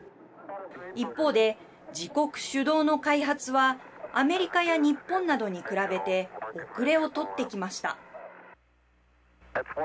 一方で、自国主導の開発はアメリカや日本などに比べて遅れをとってきました。